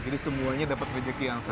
jadi semuanya dapat rejeki yang sama